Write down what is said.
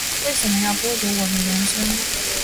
为什么要剥夺我的人生